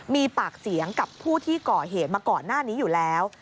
มีปากเสียงกับผู้ที่ก่อเหตุมาก่อนหน้านี้อยู่แล้ว